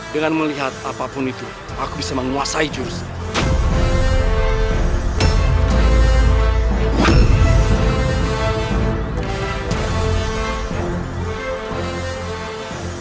dengan melihat apapun itu aku bisa menguasai jurus